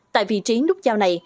tại vị trí nút giao này